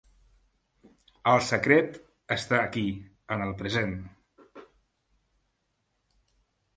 El secret està aquí, en el present.